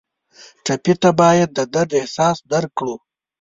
ټپي ته باید د درد احساس درکړو.